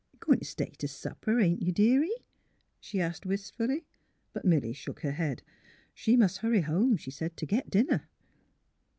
" Goin' t' stay t' supper, ain't you, deary? '* she asked, wistfully. But Milly shook her head. She must hurry home, she said, to get dinner.